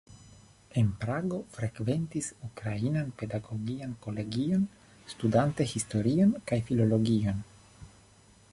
En Prago frekventis Ukrainan pedagogian kolegion, studante historion kaj filologion.